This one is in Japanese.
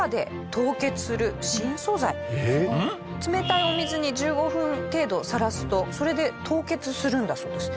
冷たいお水に１５分程度さらすとそれで凍結するんだそうです。